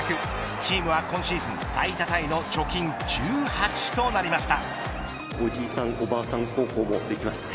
チームは今シーズン最多タイの貯金１８となりました。